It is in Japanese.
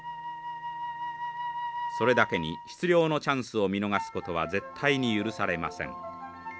それだけに出漁のチャンスを見逃すことは絶対に許されません。